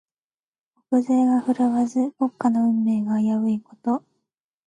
国勢が振るわず、国家の運命が危ういこと。